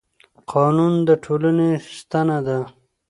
قانون د ټولنې ستنه ده